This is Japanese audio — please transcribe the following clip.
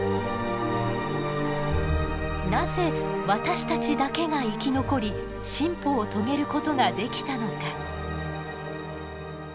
なぜ私たちだけが生き残り進歩を遂げることができたのか？